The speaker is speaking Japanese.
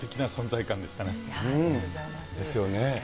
ですよね。